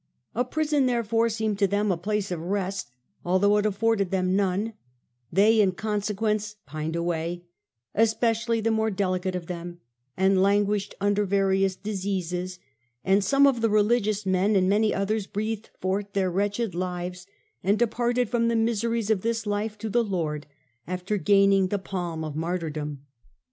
A prison, therefore, seemed to them a place of rest, although it afforded them none ; they in consequence pined away, especially the more delicate of them, and languished under various diseases ; and some of the religious men and many others breathed forth their wretched lives, and departed from the miseries of this life to the Lord, after gaining the palm of martyrdom.